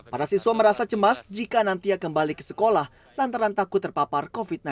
para siswa merasa cemas jika nanti ia kembali ke sekolah lantaran takut terpapar covid sembilan belas